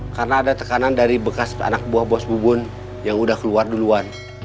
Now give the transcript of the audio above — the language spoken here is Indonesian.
karena ada tekanan dari bekas anak buah bos bubun yang udah keluar duluan